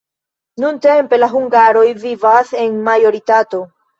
Nuntempe la hungaroj vivas en majoritato.